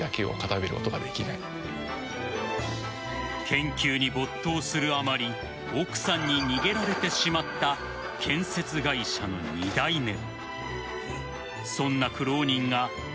研究に没頭するあまり奥さんに逃げられてしまった建設会社の２代目。